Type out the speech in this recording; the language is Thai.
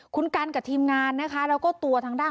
คุณกันกับทีมงานนะคะแล้วก็ตัวทางด้าน